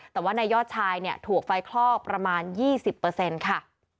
แต่ว่านายยอดชายเนี่ยถวกไฟคลอกประมาณยี่สิบเปอร์เซ็นต์ค่ะ